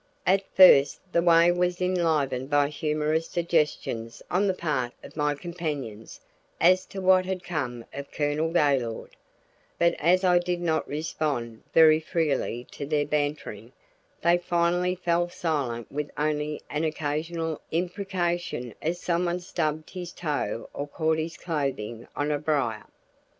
At first the way was enlivened by humorous suggestions on the part of my companions as to what had become of Colonel Gaylord, but as I did not respond very freely to their bantering, they finally fell silent with only an occasional imprecation as someone stubbed his toe or caught his clothing on a brier.